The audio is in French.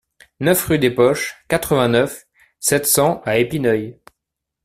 neuf rue des Poches, quatre-vingt-neuf, sept cents à Épineuil